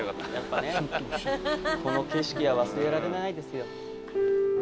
この景色は忘れられないですよ。